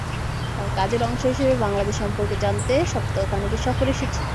তাই কাজের অংশ হিসেবে বাংলাদেশ সম্পর্কে জানতে সপ্তাহ খানেকের সফরে এসেছি।